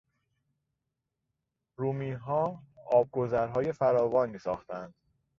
رومیها آبگذرهای فراوانی ساختند.